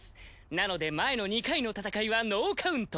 なので前の２回の戦いはノーカウント！